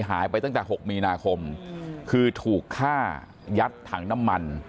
หายไปตั้งแต่๖มีนาคมคือถูกฆ่ายัดถังน้ำมัน